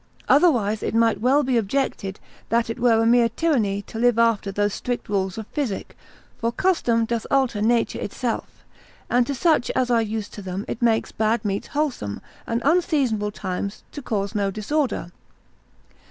Otherwise it might well be objected that it were a mere tyranny to live after those strict rules of physic; for custom doth alter nature itself, and to such as are used to them it makes bad meats wholesome, and unseasonable times to cause no disorder.